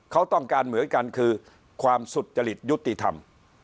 เขาต้องการเหมือนกันคือความสุจริตยุติธรรม